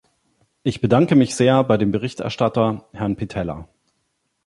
Ich bedanke mich sehr bei dem Berichterstatter, Herrn Pittella.